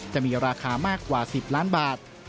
จะมีราคามากกว่า๑๐ล้านบาท